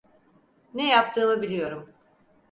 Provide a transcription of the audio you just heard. Ne yaptığımı biliyorum.